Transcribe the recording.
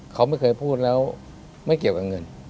เขาไม่เคยพูดแล้วไม่เกี่ยวกับเงิน